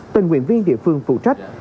tình nguyện viên địa phương phụ trách